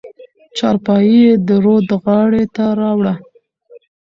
چارپايي يې د رود غاړې ته راوړه.